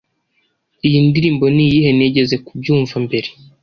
Iyi ndirimbo niyihe Nigeze kubyumva mbere